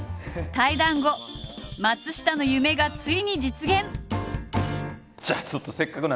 対談後松下の夢がついに実現。